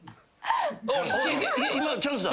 今チャンスだ。